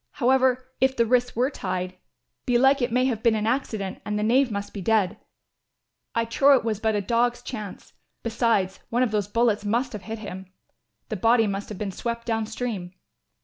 However, if the wrists were tied, belike it may have been an accident and the knave must be dead. I trow it was but a dog's chance. Besides, one of those bullets must have hit him. The body must have been swept down stream."